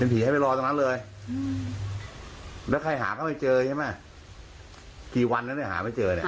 พี่บ้างตา